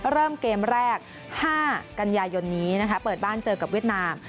เริ่มเกมแรก๕กันยายนนี้นะคะเปิดบ้านเจอกับเวียดนาม